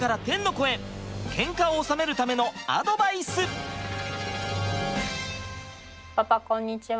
そこでパパこんにちは。